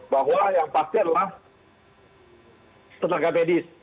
bahwa yang pasti adalah tenaga medis